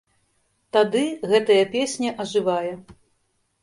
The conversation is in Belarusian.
Тады гэтая песня ажывае.